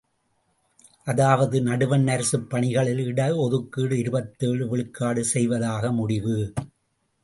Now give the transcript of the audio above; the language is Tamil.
அதாவது, நடுவண் அரசுப் பணிகளில் இட ஒதுக்கீடு இருபத்தேழு விழுக்காடு செய்வதாக முடிவு.